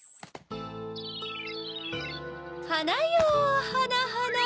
はなよはなはな